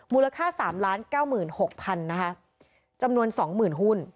มูลค่าสามล้านเก้าหมื่นหกพันนะคะจำนวนสองหมื่นหุ้น